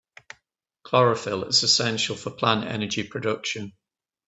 Chlorophyll is essential for plant energy production.